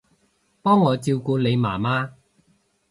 幫我照顧你媽媽